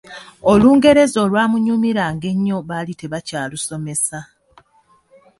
Olungereza olwamwanguyiranga ennyo baali tebakyalusomesa.